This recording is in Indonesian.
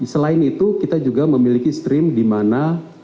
selain itu kita juga memiliki stream di mana